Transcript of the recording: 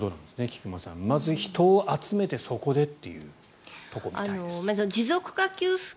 菊間さん、まず人を集めてそこでということみたいです。